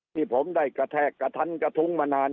ที่ผมได้กระแทกกระทันกระทุ้งมานาน